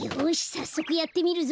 さっそくやってみるぞ。